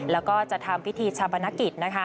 แล้วก็จะทำพิธีชาปนกิจนะคะ